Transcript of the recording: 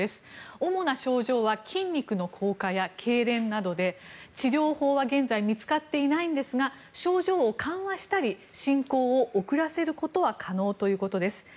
主な症状は筋肉の硬化やけいれんなどで治療法は現在、見つかっていないんですが症状を緩和したり進行を遅らせることは可能ということです。